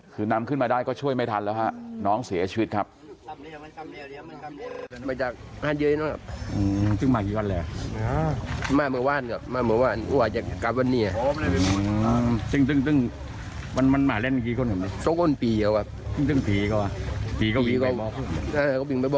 คือนำขึ้นมาได้ก็ช่วยไม่ทันแล้วฮะน้องเสียชีวิตครับ